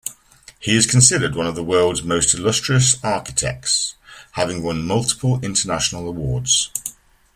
He is considered one of world's most illustrious architects, having won multiple international awards.